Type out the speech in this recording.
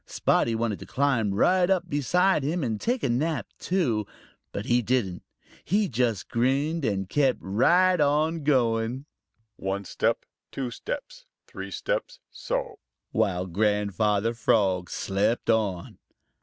Spotty wanted to climb right up beside him and take a nap too, but he didn't. He just grinned and kept right on going. "One step, two steps, three steps, so!" while Grandfather Frog slept on.